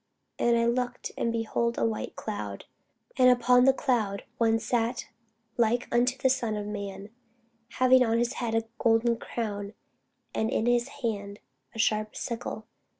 And I looked, and behold a white cloud, and upon the cloud one sat like unto the Son of man, having on his head a golden crown, and in his hand a sharp sickle.